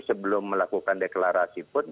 sebelum melakukan deklarasi pun